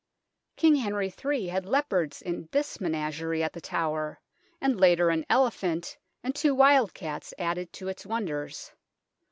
King Henry III had leopards in this men agerie at the Tower, and later an elephant and two wild cats added to its wonders.